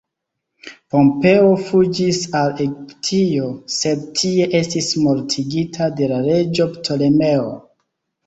Pompeo fuĝis al Egiptio, sed tie estis mortigita de la reĝo Ptolemeo.